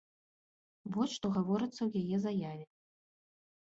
Вось што гаворыцца ў яе заяве.